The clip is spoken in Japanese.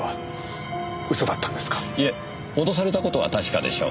いえ脅された事は確かでしょう。